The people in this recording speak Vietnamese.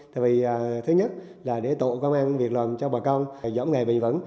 thứ nhất là để tụ công an việc làm cho bà con dõng nghề bình vẩn